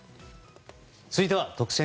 続いては特選！！